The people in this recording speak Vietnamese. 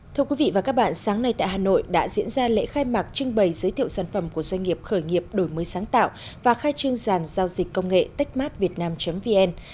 thưa quý vị và các bạn sáng nay tại hà nội đã diễn ra lễ khai mạc trưng bày giới thiệu sản phẩm của doanh nghiệp khởi nghiệp đổi mới sáng tạo và khai trương dàn giao dịch công nghệ techmartvietnam vn